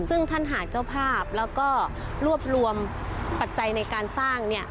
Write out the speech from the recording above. ซึ่งท่านหาเจ้าภาพแล้วก็รวบรวมปัจจัยในการสร้าง